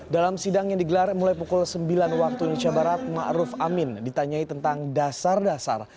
dalam sidang yang digelar mulai pukul sembilan waktu indonesia barat ⁇ maruf ⁇ amin ditanyai tentang dasar dasar